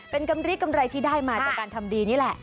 เป็นกำริกำไรที่ได้มาจากการทำดีนี่แหละ